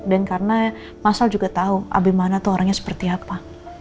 dan karena masal juga tahu abimane tuh orangnya seperti apa